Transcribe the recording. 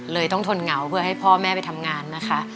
ต้องทนเหงาเพื่อให้พ่อแม่ไปทำงานนะคะ